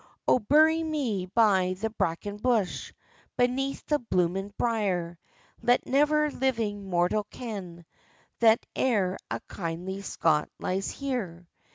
"O bury me by the braken bush, Beneath the blooming brier; Let never living mortal ken That ere a kindly Scot lies here."